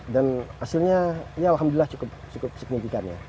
dan hasilnya ya alhamdulillah cukup signifikan ya